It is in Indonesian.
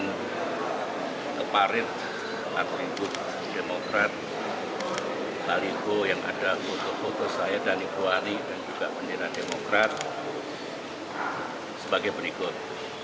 dan keparit dengan penduduk demokrat baliho yang ada foto foto saya dan ibu ali dan juga pendirian demokrat sebagai berikut